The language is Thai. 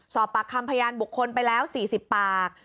สอบปากคำพยานบุคคลไปแล้ว๔๐ปาก